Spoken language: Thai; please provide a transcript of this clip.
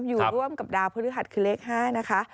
อยู่ร่วมกับดาวพฤหัสคือเลข๕นะคะ